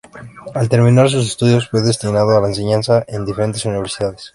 Al terminar sus estudios fue destinado a la enseñanza en diferentes universidades.